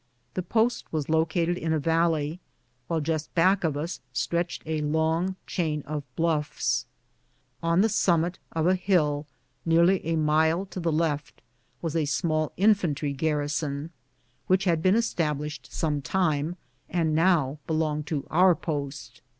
The post was located in a valley, while just back of us stretched a long chain of bluffs. On the summit of a hill, nearly a mile to the left, was a small infantry OUR NEW HOME AT FORT LINCOLN. 99 garrison, which had been established some time, and now belonged to our post.